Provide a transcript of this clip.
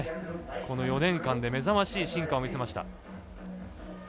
この４年間で目覚ましい進化を見せました。